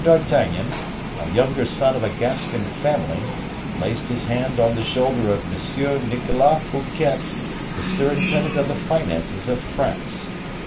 d'Artagnan, a younger son of a Gascon family, placed his hand on the shoulder of M. Nicolas Fouquet, the surintendant of the finances of France.